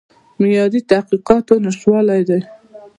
د معیاري تحقیقاتو نشتوالی دی.